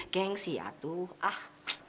gengsi atuh ah